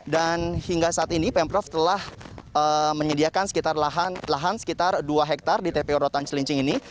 dan hingga saat ini pemref telah menyediakan lahan sekitar dua hektare di tpu rorotan cilincing ini